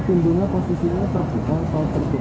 pintunya posisinya terbuka atau tertutup